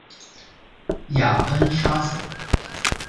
雅恩莎撒。